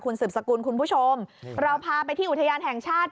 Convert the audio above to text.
สืบสกุลคุณผู้ชมเราพาไปที่อุทยานแห่งชาติ